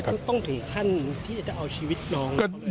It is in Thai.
ทำไมต้องถึงขั้นที่จะเอาชีวิตนอง